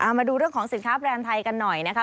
มาดูเรื่องของสินค้าแบรนด์ไทยกันหน่อยนะคะ